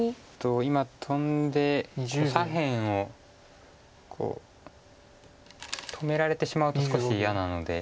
今トンで左辺をこう止められてしまうと少し嫌なので。